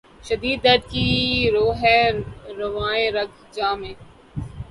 شدید درد کی رو ہے رواں رگ ِ جاں میں